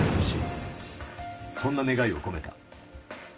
そんな願いを込めた。